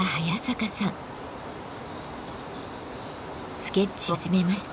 スケッチを始めました。